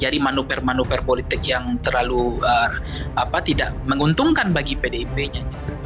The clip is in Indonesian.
jadi manuver manuver politik yang terlalu tidak menguntungkan bagi pdip nya